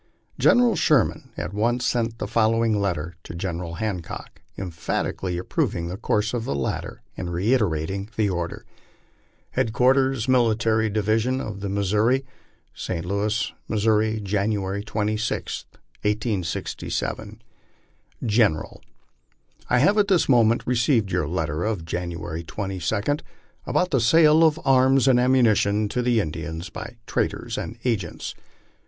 General Sherman at once sent the following letter to General Hancock, emphatically approving the course of the latter, and reiterating the order : HEADQUARTERS MILITARY DIVISION OF THE MISSOURI, ) ST. Louis, MISSOURI, January 26, 1867. ) GENERAL : I have this moment received your letter of January 22, about the sale of arms anfl ammunition to Indians by traders and agents.